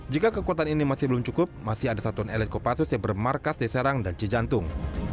jika kekuatan ini masih belum cukup masih ada satuan elit kopassus yang bermarkas di serang dan cijantung